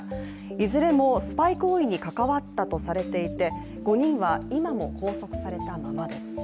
いずれもスパイ行為に関わったとされていて５人は今も拘束されたままです。